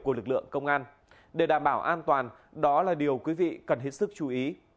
của lực lượng công an để đảm bảo an toàn đó là điều quý vị cần hết sức chú ý